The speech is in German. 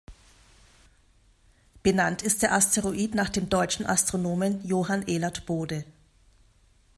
Benannt ist der Asteroid nach dem deutschen Astronomen Johann Elert Bode.